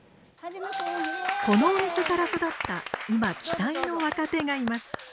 このお店から育った今期待の若手がいます。